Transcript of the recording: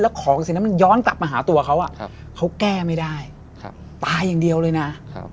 ของสิ่งนั้นมันย้อนกลับมาหาตัวเขาเขาแก้ไม่ได้ตายอย่างเดียวเลยนะ